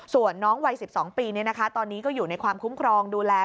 ส่วนน้องวัย๑๒ปีตอนนี้ก็อยู่ในความคุ้มครองดูแล